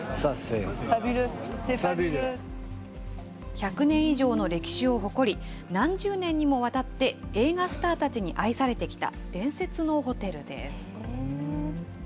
１００年以上の歴史を誇り、何十年にもわたって映画スターたちに愛されてきた、伝説のホテルです。